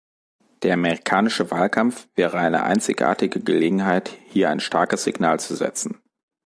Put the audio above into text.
Der amerikanische Wahlkampf wäre eine einzigartige Gelegenheit, hier ein starkes Signal zu setzen.